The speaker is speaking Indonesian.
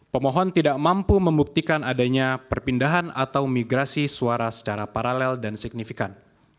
pemohon tidak mampu membuktikan adanya perpindahan atau migrasi suara secara paralel dan signifikan